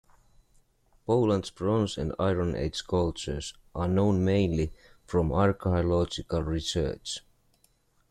Poland's Bronze- and Iron-Age cultures are known mainly from archeological research.